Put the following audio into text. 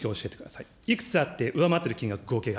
いくつあって、上回っている金額